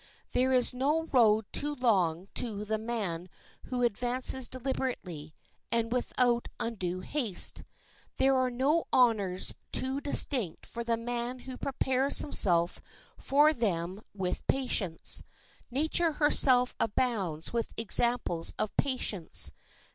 There is no road too long to the man who advances deliberately and without undue haste. There are no honors too distant for the man who prepares himself for them with patience. Nature herself abounds with examples of patience.